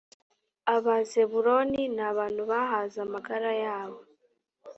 abazebuluni ni abantu bahaze amagara yabo